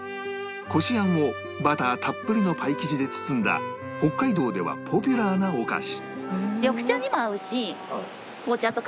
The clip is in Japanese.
こしあんをバターたっぷりのパイ生地で包んだ北海道ではポピュラーなお菓子